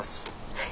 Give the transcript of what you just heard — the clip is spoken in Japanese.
はい。